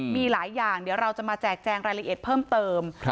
มีหลายอย่างเดี๋ยวเราจะมาแจกแจงรายละเอียดเพิ่มเติม